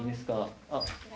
あっ！